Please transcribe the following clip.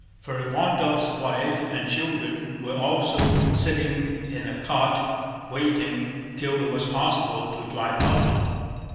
Ferapóntov's wife and children were also sitting in a cart waiting till it was possible to drive out.